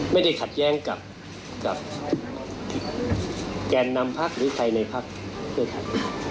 ไม่ได้ขัดแย้งกับแกนนำพักหรือใครในพักเพื่อไทย